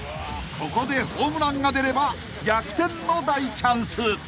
ここでホームランが出れば逆転の大チャンス］